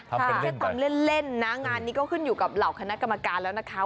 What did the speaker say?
เป็นแค่ตำเล่นนะงานนี้ก็ขึ้นอยู่กับเหล่าคณะกรรมการแล้วนะคะ